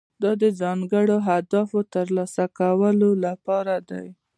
دا د ځانګړو اهدافو د ترلاسه کولو لپاره دی.